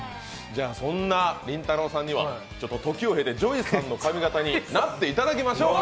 そんなりんたろーさんには時を経てＪＯＹさんの髪型になっていただきましょう！